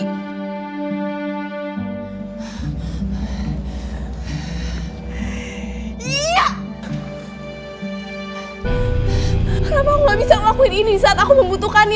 kenapa aku gak bisa melakuin ini saat aku membutuhkannya